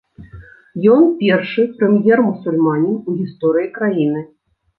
Ён першы прэм'ер-мусульманін у гісторыі краіны.